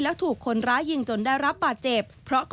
แล้วถูกคนร้ายยิงจนได้รับบาดเจ็บ